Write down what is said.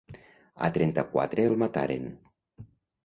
A trenta-quatre el mataren.